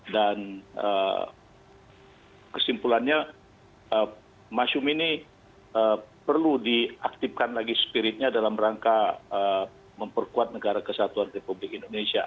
dan kesimpulannya masyumi ini perlu diaktifkan lagi spiritnya dalam rangka memperkuat negara kesatuan republik indonesia